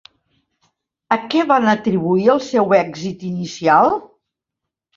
A què van atribuir el seu èxit inicial?